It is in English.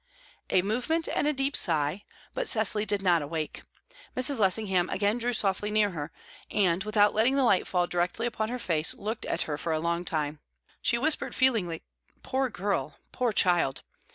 A movement, and a deep sigh; but Cecily did not awake. Mrs. Lessingham again drew softly near to her, and, without letting the light fall directly upon her face, looked at her for a long time. She whispered feelingly, "Poor girl! poor child!"